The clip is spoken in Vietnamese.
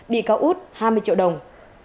bị cáo út hai mươi triệu đồng